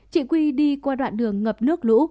chị quy đi qua đoạn đường ngập nước lũ